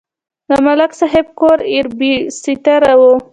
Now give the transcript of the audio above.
د ملک صاحب کور ایر بېستره و.